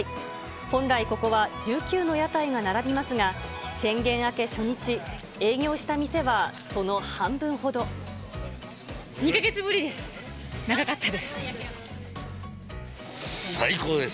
本来、ここは１９の屋台が並びますが、宣言明け初日、営業した店２か月ぶりです。